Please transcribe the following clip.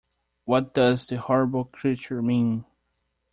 What does the horrible creature mean?